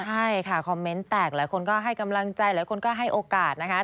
ใช่ค่ะคอมเมนต์แตกหลายคนก็ให้กำลังใจหลายคนก็ให้โอกาสนะคะ